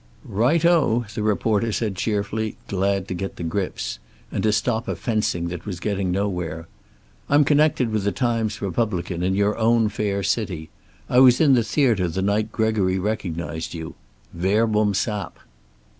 "Right o," the reporter said cheerfully, glad to get to grips; and to stop a fencing that was getting nowhere. "I'm connected with the Times Republican, in your own fair city. I was in the theater the night Gregory recognized you. Verbum sap."